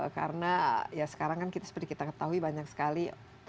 karena ya sekarang kan seperti kita ketahui banyak sekali